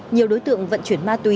nhiều đối tượng vận chuyển ma túy